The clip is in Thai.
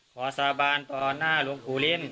สาบานต่อหน้าหลวงปู่ลิ้น